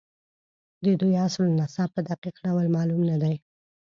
د دوی اصل نسب په دقیق ډول معلوم نه دی.